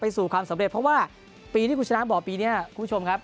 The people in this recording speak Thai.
สู่ความสำเร็จเพราะว่าปีที่คุณชนะบอกปีนี้คุณผู้ชมครับ